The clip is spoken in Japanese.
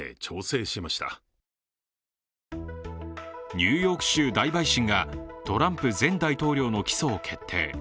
ニューヨーク州大陪審がトランプ前大統領の起訴を決定。